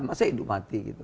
masa hidup mati gitu